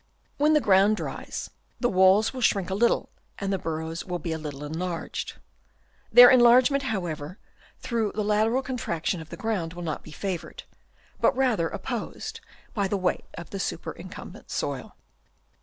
When the ground dries, the walls will shrink a little and the burrows will be a little enlarged. Their enlargement, however, through the lateral contraction of the ground, will not be favoured, but rather op posed, by the weight of the superincumbent soil.